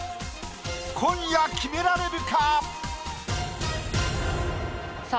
今夜決められるか⁉さあ